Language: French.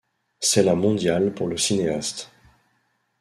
C'est la mondiale pour le cinéaste.